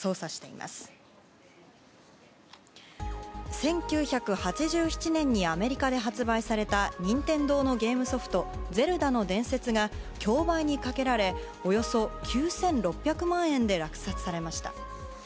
１９８７年にアメリカで発売された任天堂のゲームソフト「ゼルダの伝説」が競売にかけられおよそ９６００万円で落札されました。